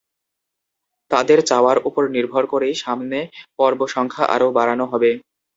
তাঁদের চাওয়ার ওপর নির্ভর করেই সামনে পর্ব সংখ্যা আরও বাড়ানো হবে।